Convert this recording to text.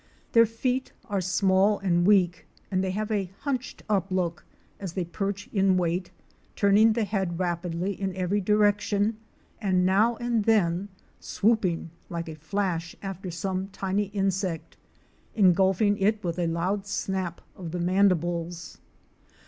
Their feet are small and weak and they have a hunched up look as they perch in wait, turning the head rapidly in every direction and now and then swooping like a flash after some tiny insect, engulfing it with a loud snap of the mandibles.